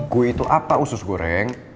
kue itu apa usus goreng